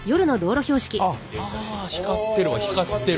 あっ光ってるわ光ってる。